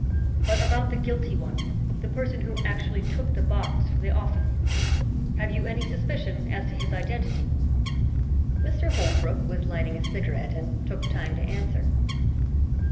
"But about the guilty one the person who actually took the box from the office have you any suspicion as to his identity?" Mr. Holbrook was lighting a cigarette and took time to answer.